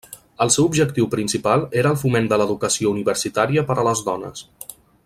El seu objectiu principal era el foment de l'educació universitària per a les dones.